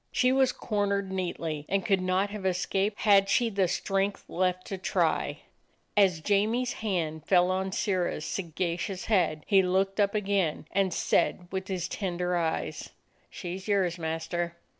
She was cornered neatly and could not have es caped had she the strength left to try. As Jamie's hand fell on Sirrah's sagacious head, he looked up again, and said with his tender eyes: "She 's yours, master."